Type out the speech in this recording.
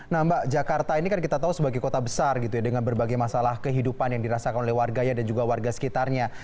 nah mbak jakarta ini kan kita tahu sebagai kota besar gitu ya dengan berbagai masalah kehidupan yang dirasakan oleh warganya dan juga warga sekitarnya